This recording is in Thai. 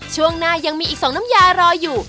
ช่วงหน้ายังมีอีก๒น้ำยารออยู่